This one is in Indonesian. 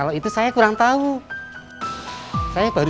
ya sudah pak